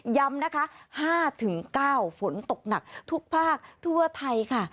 ย้ำนะคะห้าถึงเก้าฝนตกหนักทุกภาคทั่วไทยค่ะ